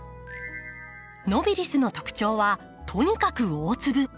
ノビリスの特徴はとにかく大粒。